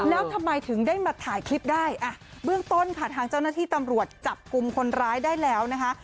แล้วทำไมถึงได้มาถ่ายคลิปได้อ่ะเบื้องต้นค่ะทางเจ้าหน้าที่ตำรวจจับกลุ่มคนร้ายได้แล้วนะคะ